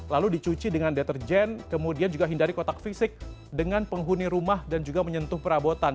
lalu dicuci dengan deterjen kemudian juga hindari kotak fisik dengan penghuni rumah dan juga menyentuh perabotan